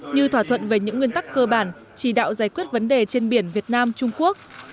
như thỏa thuận về những nguyên tắc cơ bản chỉ đạo giải quyết vấn đề trên biển việt nam trung quốc